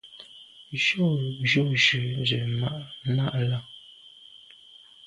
Jù jujù ze màa na là.